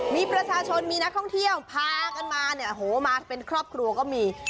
มีประชาชนมีนักท่องเที่ยวพากันมาเนี่ยโหมาเป็นครอบครัวก็มี